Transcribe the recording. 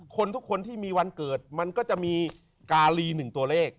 คนทุกคนที่มีวันเกิดมันก็จะมีกาลี๑ตัวเลข